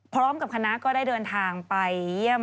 พร้อมกับคณะก็ได้เดินทางไปเยี่ยม